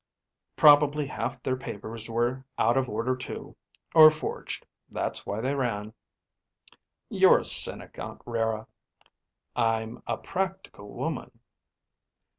"Probably half their papers were out of order, too. Or forged. That's why they ran." "You're a cynic, Aunt Rara." "I'm a practical woman."